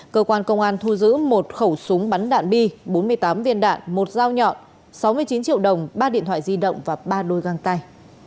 cơ quan công an thu giữ một khẩu súng bắn đạn bi bốn mươi tám viên đạn một dao nhọn sáu mươi chín triệu đồng ba điện thoại di động và ba đôi găng tay